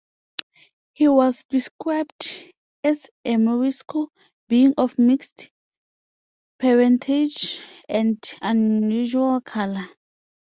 He was described as a "Morisco," being "of mixed parentage and unusual color.